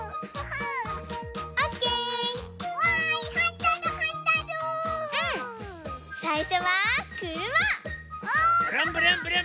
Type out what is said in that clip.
はい。